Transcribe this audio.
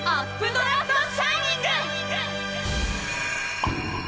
ドラフト・シャイニング！